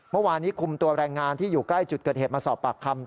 เมื่อวานนี้คุมตัวแรงงานที่อยู่ใกล้จุดเกิดเหตุมาสอบปากคำ